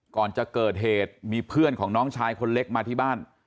ก่อนจะเกิดเหตุมีเพื่อนของน้องชายคนเล็กมาที่บ้าน